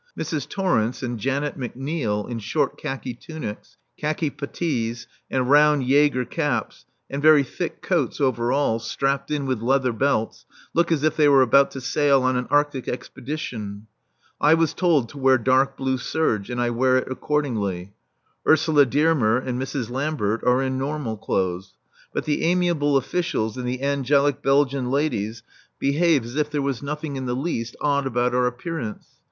Mrs. Torrence and Janet McNeil in short khaki tunics, khaki putties, and round Jaeger caps, and very thick coats over all, strapped in with leather belts, look as if they were about to sail on an Arctic expedition; I was told to wear dark blue serge, and I wear it accordingly; Ursula Dearmer and Mrs. Lambert are in normal clothes. But the amiable officials and the angelic Belgian ladies behave as if there was nothing in the least odd about our appearance.